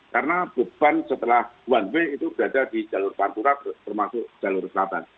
karena beban setelah one way itu berada di jalur pantura termasuk jalur selatan